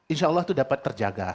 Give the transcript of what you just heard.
insya allah itu dapat terjaga